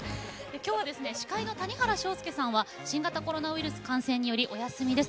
今日は司会の谷原章介さんは新型コロナウイルス感染によりお休みです。